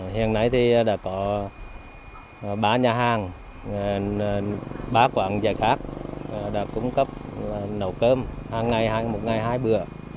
hiện nay thì đã có ba nhà hàng ba quán giải khát đã cung cấp nấu cơm một ngày hai bữa